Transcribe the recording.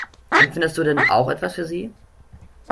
Empfindest du denn auch etwas für sie?